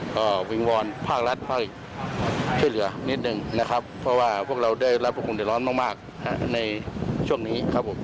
อ่าวิงวอนภาครัฐเพราะอีกที่เหลือนิดหนึ่งนะครับเพราะว่าพวกเราได้รับคุณเดียวร้อนมากมากในช่วงนี้ครับผม